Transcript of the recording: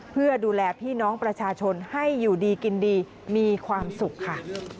เพื่อดูแลพี่น้องประชาชนให้อยู่ดีกินดีมีความสุขค่ะ